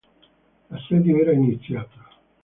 L'assedio era iniziato.